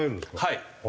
はい。